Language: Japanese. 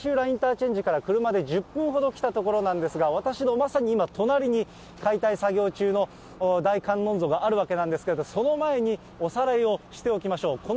インターチェンジから車で１０分ほど来たところなんですが、私のまさに今、隣に、解体作業中の大観音像があるわけなんですけれども、その前におさらいをしておきましょう。